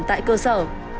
tại cơ sở